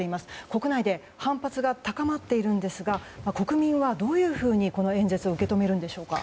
国内で反発が高まっているんですが国民はどういうふうに、この演説を受け止めるんでしょうか。